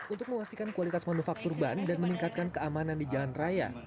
untuk memastikan kualitas manufaktur ban dan meningkatkan keamanan di jalan raya